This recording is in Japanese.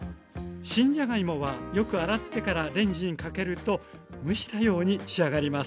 新じゃがいもはよく洗ってからレンジにかけると蒸したように仕上がります。